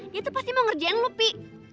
dia tuh pasti mau ngerjain lo pi